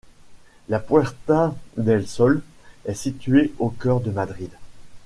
La Puerta del Sol est située au cœur de Madrid.